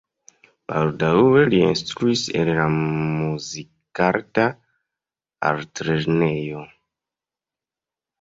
Baldaŭe li instruis en la Muzikarta Altlernejo.